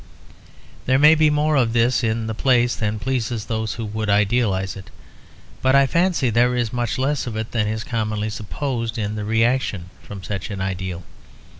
There may be more of this in the place than pleases those who would idealise it. But I fancy there is much less of it than is commonly supposed in the reaction from such an ideal.